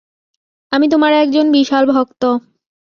আমি তোমার একজন বিশাল ভক্ত।